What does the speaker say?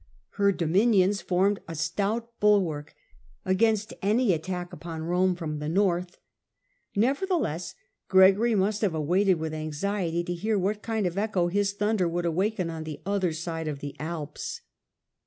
Her dominions formed a stout bulwark against any attack upon Rome from the north. Nevertheless, Gregory must have waited with anxiety to hear what kind of echo his thunder would awaken on the other side of the Alps.